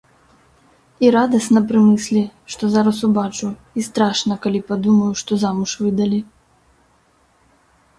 І радасна пры мыслі, што зараз убачу, і страшна, калі падумаю, што замуж выдалі.